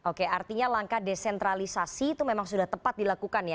oke artinya langkah desentralisasi itu memang sudah tepat dilakukan ya